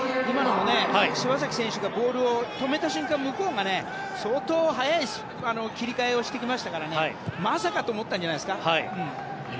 今のも、柴崎選手がボールを止めた瞬間向こうが相当早い切り替えをしてきましたからまさかと思ったんじゃないですか。